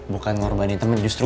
bukan ngorbanin temen justru